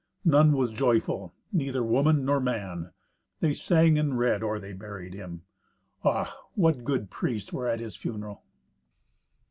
None was joyful, neither woman nor man. They sang and read or they buried him. Ah, what good priests were at his funeral!